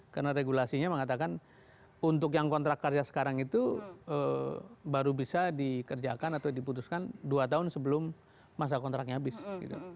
karena regulasinya mengatakan untuk yang kontrak karya sekarang itu baru bisa dikerjakan atau diputuskan dua tahun sebelum masa kontraknya habis gitu